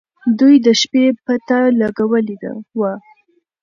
دوی د شپې پته لګولې وه.